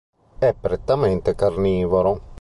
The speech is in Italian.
È prettamente carnivoro.